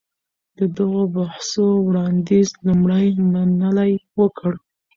د دغو بحثو وړانديز لومړی منلي وکړ.